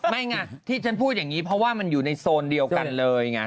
ไม่ไงที่ฉันพูดอย่างนี้เพราะว่ามันอยู่ในโซนเดียวกันเลยไง